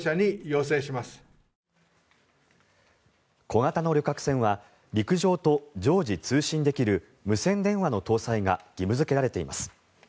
小型の旅客船は陸上と常時通信できる無線電話の搭載が義務付けられています。